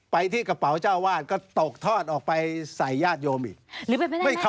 ไปที่กระเป๋าเจ้าวาดก็ตกทอดออกไปใส่ญาติโยมอีก